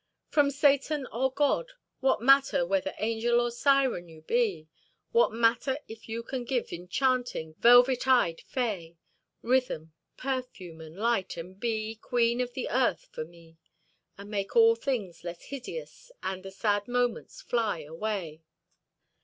"From Satan or God, what matter, whether angel or siren you be, What matter if you can give, enchanting, velvet eyed fay, Rhythm, perfume, and light, and be queen of the earth for me, And make all things less hideous, and the sad moments fly away."